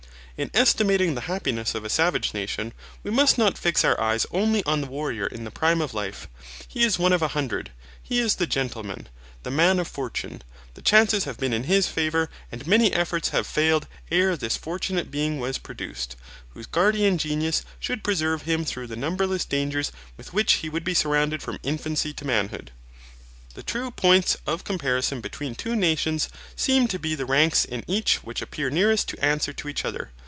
In estimating the happiness of a savage nation, we must not fix our eyes only on the warrior in the prime of life: he is one of a hundred: he is the gentleman, the man of fortune, the chances have been in his favour and many efforts have failed ere this fortunate being was produced, whose guardian genius should preserve him through the numberless dangers with which he would be surrounded from infancy to manhood. The true points of comparison between two nations seem to be the ranks in each which appear nearest to answer to each other.